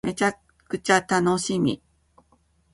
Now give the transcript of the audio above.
めちゃくちゃ楽しみ